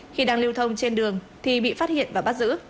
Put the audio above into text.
khi đang lưu thông trên đường thì bị phát hiện và bắt giữ